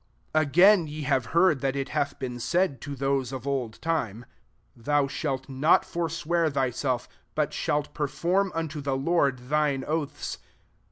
SS *' Again, ye have heard that it hath been said, to those of old time, <Thou shalt not forswear thyself, but shalt per form unto the Lord thine oaths.'